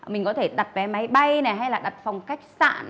mình có thể đặt vé máy bay hay là đặt phòng cách sạn